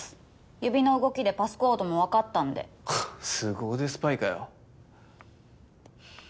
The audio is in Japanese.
指の動きでパスコードもわかったんですご腕スパイかよ